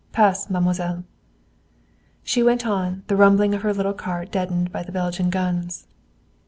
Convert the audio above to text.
"Pass, mademoiselle." She went on, the rumbling of her little cart deadened by the Belgian guns.